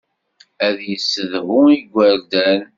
Ad yessedhu igerdan.